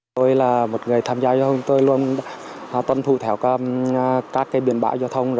tôi là một người tham gia giao thông tôi luôn tân thu theo các biển bão giao thông